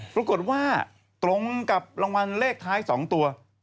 ปรากฏว่าตรงกับรางวัลเลขท้าย๒ตัว